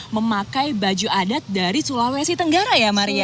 memakai baju adat dari sulawesi tenggara ya maria